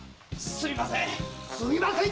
すみません！